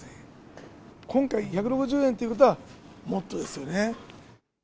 今回、１６０円ということは、もっとですよね。